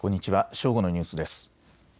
正午のニュースです。